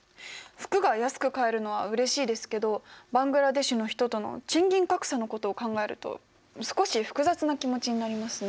服が安く買えるのはうれしいですけどバングラデシュの人との賃金格差のことを考えると少し複雑な気持ちになりますね。